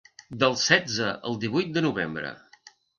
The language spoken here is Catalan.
Del setze al divuit de novembre.